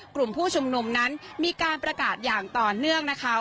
กลุ่มผู้ชุมนุมนั้นมีการประกาศอย่างต่อเนื่องนะคะ